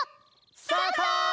スタート！